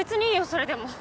それでも。